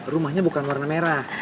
rumahnya bukan warna merah